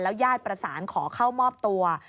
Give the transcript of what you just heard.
แล้วย่าดประสานขอเข้ามอบตัว